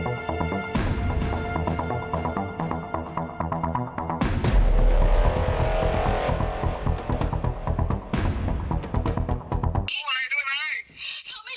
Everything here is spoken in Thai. ว่าไปก่อเหตุทุบรถและคุกคามดาราสาว